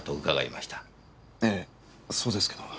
ええそうですけど。